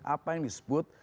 apa yang disebut